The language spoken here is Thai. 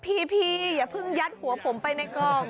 พีเพีย์อย่าพึ่งยัดหัวผมไปในกล้อง